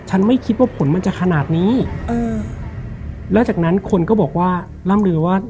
ไม่คิดว่าผลมันจะขนาดนี้เออแล้วจากนั้นคนก็บอกว่าร่ำลือว่า